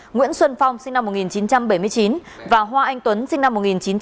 nguyễn xuân phong sinh năm một nghìn chín trăm bảy mươi chín và hoa anh tuấn sinh năm một nghìn chín trăm tám mươi